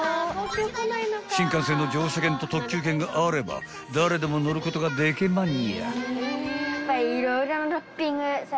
［新幹線の乗車券と特急券があれば誰でも乗ることがでけまんにゃ］